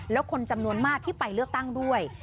แล้วคนจำนวนมากที่ไปเลือกตั้งด้วย